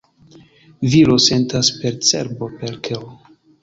Viro sentas per cerbo, per koro.